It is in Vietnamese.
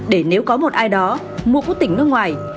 để nếu có một ai đó mua quốc tỉnh nước ngoài